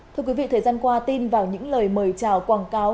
thưa quý vị thời gian qua tin vào những lời mời chào quảng cáo